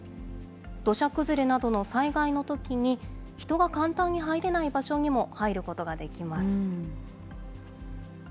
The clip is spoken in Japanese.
土砂崩れなどの災害のときに、人が簡単に入れない場所にも入ることができます。